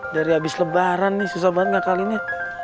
dari habis lebaran nih susah banget ngakalinnya